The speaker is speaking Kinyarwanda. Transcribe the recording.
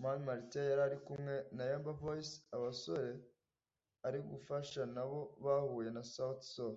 Mani Martin yarari kumwe na Yemba Voice abasore ari gufasha nabo bahuye na Sauti Sol